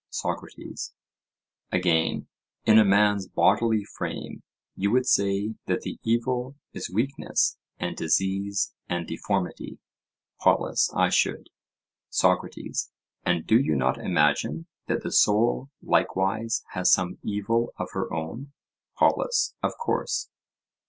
SOCRATES: Again, in a man's bodily frame, you would say that the evil is weakness and disease and deformity? POLUS: I should. SOCRATES: And do you not imagine that the soul likewise has some evil of her own? POLUS: Of course.